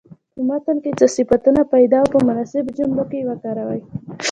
په متن کې څو صفتونه پیدا او په مناسبو جملو کې وکاروئ.